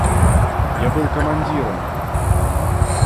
Я был командиром их.